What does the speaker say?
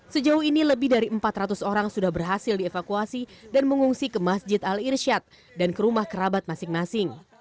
sejauh ini lebih dari empat ratus orang sudah berhasil dievakuasi dan mengungsi ke masjid al irsyad dan ke rumah kerabat masing masing